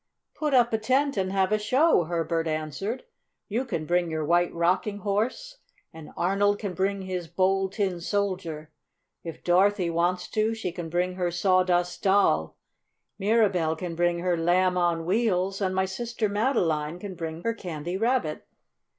"Put up a tent and have a show," Herbert answered. "You can bring your White Rocking Horse, and Arnold can bring his Bold Tin Soldier. If Dorothy wants to, she can bring her Sawdust Doll, Mirabell can bring her Lamb of Wheels, and my sister Madeline can bring her Candy Rabbit."